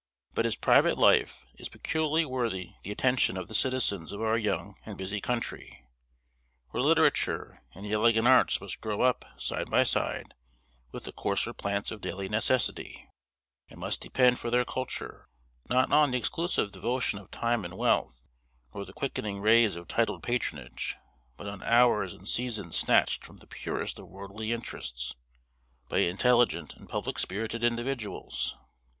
But his private life is peculiarly worthy the attention of the citizens of our young and busy country, where literature and the elegant arts must grow up side by side with the coarser plants of daily necessity; and must depend for their culture, not on the exclusive devotion of time and wealth; nor the quickening rays of titled patronage; but on hours and seasons snatched from the purest of worldly interests, by intelligent and public spirited individuals.